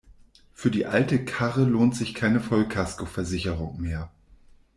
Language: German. Für die alte Karre lohnt sich keine Vollkaskoversicherung mehr.